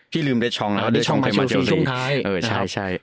พี่ลืมเด็ดช้องแล้วเด็ดช้องมาเชียวซีช่วงท้าย